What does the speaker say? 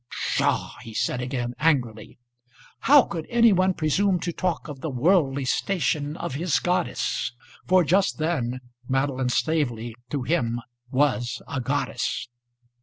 "Psha!" he said again angrily. How could any one presume to talk of the worldly station of his goddess? For just then Madeline Staveley to him was a goddess!